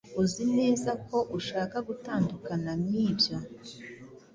Uzi neza ko ushaka gutandukana nibyo?